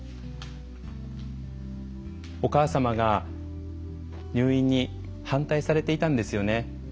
お母様が入院に反対されていたんですよね。